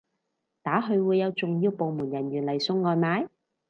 打去會有重要部門人員嚟送外賣？